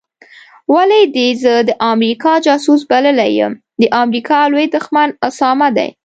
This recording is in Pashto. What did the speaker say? ولي دي زه د امریکا جاسوس بللی یم د امریکا لوی دښمن اسامه دی